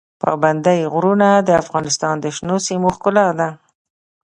پابندی غرونه د افغانستان د شنو سیمو ښکلا ده.